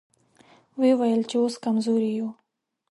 ويې ويل چې اوس کمزوري يو.